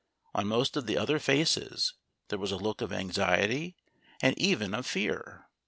On most of the other faces there was a look of anxiety, and even of fear.